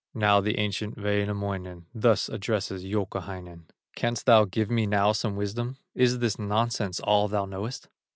Now the ancient Wainamoinen Thus addresses Youkahainen: "Canst thou give me now some wisdom, Is this nonsense all thou knowest?"